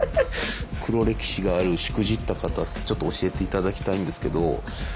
黒歴史があるしくじった方ちょっと教えていただきたいんですけど。